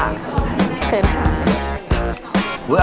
ขอบคุณค่ะ